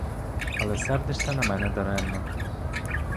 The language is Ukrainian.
Але сердишся на мене даремно.